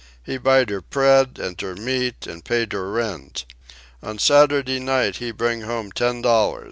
He buy der pread an' der meat, an' pay der rent. On Saturday night he bring home ten dollar.